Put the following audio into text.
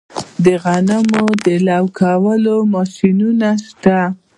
د غنمو لو کولو ماشینونه شته